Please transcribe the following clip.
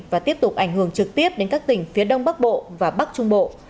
và tiếp tục ảnh hưởng trực tiếp đến các tỉnh phía đông bắc bộ và bắc trung bộ